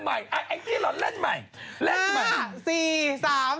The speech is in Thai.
หลอนเล่นใหม่